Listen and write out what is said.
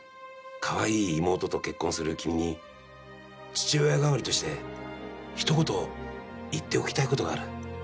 カワイイ妹と結婚する君に父親代わりとして一言言っておきたいことがある。